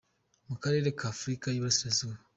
Mu Karere ka Afurika y’i Burasirazuba.